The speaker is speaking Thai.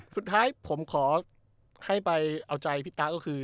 สุดท้ายผมขอให้ไปเอาใจพี่ตะก็คือ